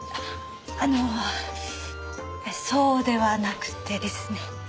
あのそうではなくてですね。